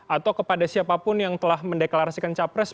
atau kepada siapapun yang telah mendeklarasikan capres